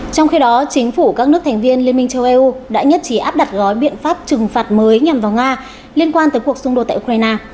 trong khi đó chính phủ các nước thành viên liên minh châu âu đã nhất trí áp đặt gói biện pháp trừng phạt mới nhằm vào nga liên quan tới cuộc xung đột tại ukraine